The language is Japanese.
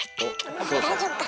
大丈夫か？